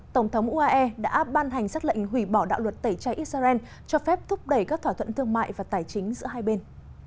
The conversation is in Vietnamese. tổng thống uae đã ban hành xác lệnh hủy bỏ đạo luật tẩy chay israel cho phép thúc đẩy các thỏa thuận thương mại và tài chính giữa hai bên